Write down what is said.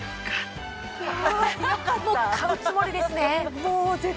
もう買うつもりですね